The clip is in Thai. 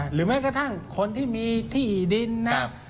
หรือแม้กระทั่งคนที่มีที่ดินนะครับ